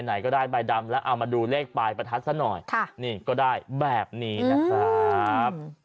ไหนก็ได้ใบดำแล้วเอามาดูเลขปลายประทัดซะหน่อยนี่ก็ได้แบบนี้นะครับ